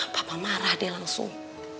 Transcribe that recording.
papa marah dia langsung